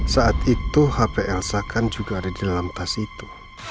saat itu hp elsa kan juga ada di dalam tas itu